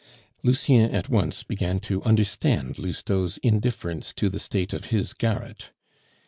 Lucien at once began to understand Lousteau's indifference to the state of his garret.